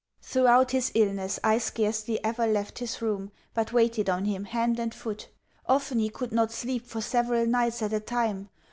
Throughout his illness I scarcely ever left his room, but waited on him hand and foot. Often he could not sleep for several nights at a time.